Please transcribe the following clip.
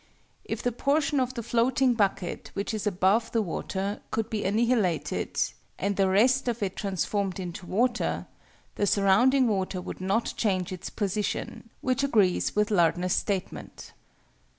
If the portion of the floating bucket, which is above the water, could be annihilated, and the rest of it transformed into water, the surrounding water would not change its position: which agrees with Lardner's statement.